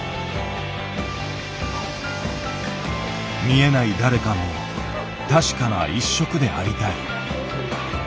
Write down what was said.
見えない誰かの確かな一食でありたい。